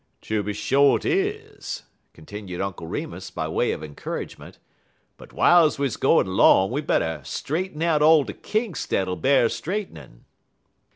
"Tooby sho' 't is," continued Uncle Remus, by way of encouragement; "but w'iles we gwine 'long we better straighten out all de kinks dat'll b'ar straightenin'."